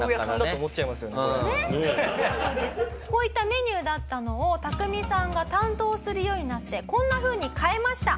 こういったメニューだったのをタクミさんが担当するようになってこんなふうに変えました。